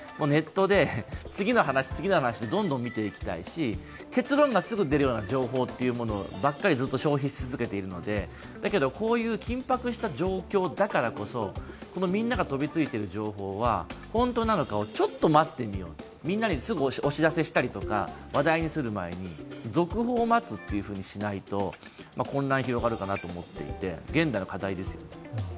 ネットで次の話、次の話とどんどん見ていきたいし結論がすぐ出るような情報ばっかりずっと消費し続けているのでだけどこういう緊迫した状況だからこそ、みんなが飛びついている情報は本当なのかをちょっと待ってみよう、みんなにすぐお知らせしたりとか話題にする前に続報を待つというふうにしないと混乱が広がるかなと思っていて現代の課題ですよね。